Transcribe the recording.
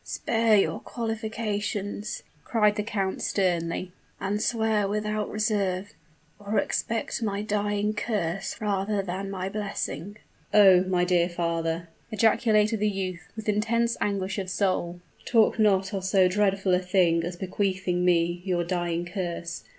"Spare your qualifications," cried the count, sternly; "and swear without reserve or expect my dying curse, rather than my blessing." "Oh! my dear father," ejaculated the youth, with intense anguish of soul; "talk not of so dreadful a thing as bequeathing me your dying curse!